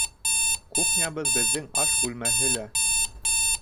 Кухнябыҙ беҙҙең аш бүлмәһе лә